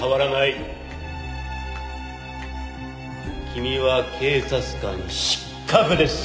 君は警察官失格です。